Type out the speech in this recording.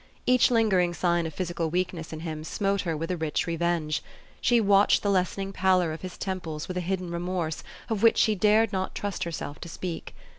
Each lingering sign of physical weakness in him smote her with a rich revenge. She watched the lessening pallor of his temples with a hidden remorse of which she dared not trust herself to speak.